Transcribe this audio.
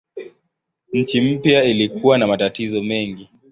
Nchi mpya ilikuwa na matatizo mengi.